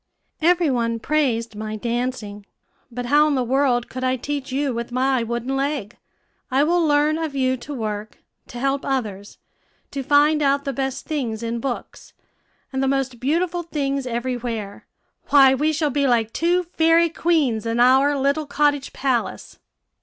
"Every one praised my dancing; but how in the world could I teach you with my wooden leg? I will learn of you to work, to help others, to find out the best things in books, and the most beautiful things every where. Why, we shall be like two fairy queens in our little cottage palace."